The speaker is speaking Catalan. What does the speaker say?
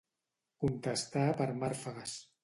Contestar per màrfegues.